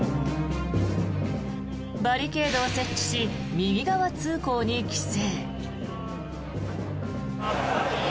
バリケードを設置し右側通行に規制。